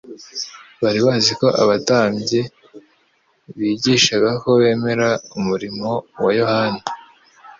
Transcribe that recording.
Bari bazi ko abatambyi bigishaga ko bemera umurimo wa Yohana